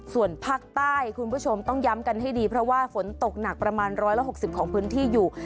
ส่วนภาคใต้คุณผู้ชมต้องย้ำกันให้ดีเพราะว่าฝนตกหนักประมาณ๑๖๐ของพื้นที่อยู่